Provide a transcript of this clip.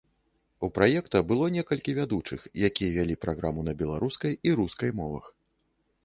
У праекта было некалькі вядучых, якія вялі праграму на беларускай і рускай мовах.